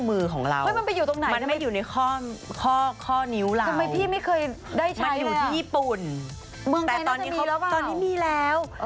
เมืองไทยน่าจะมีแล้วป่าวแต่ตอนนี้มีแล้ว